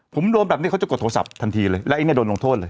ผมโดนแบบนี้เขาจะกดโทรศัพท์ทันทีเลยแล้วไอ้เนี่ยโดนลงโทษเลย